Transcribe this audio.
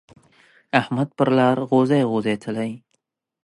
احمد پر لار غوزی غوزی تلی.